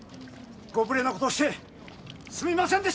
ご無礼な事をしてすみませんでした！